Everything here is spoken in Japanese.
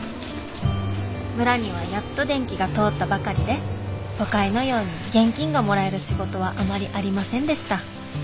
村にはやっと電気が通ったばかりで都会のように現金がもらえる仕事はあまりありませんでした。